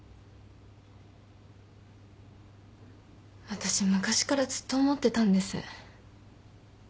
私昔からずっと思ってたんです。